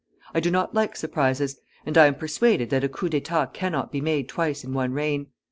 I do not like surprises, and I am persuaded that a coup d'état cannot be made twice in one reign.